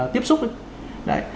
tiếp xúc ấy đấy